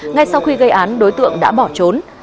ngay sau khi gây án đối tượng đã bỏ trốn